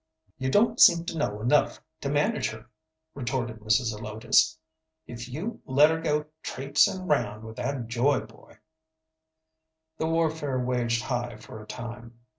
"You don't seem to know enough to manage her," retorted Mrs. Zelotes, "if you let her go traipsin' round with that Joy boy." The warfare waged high for a time.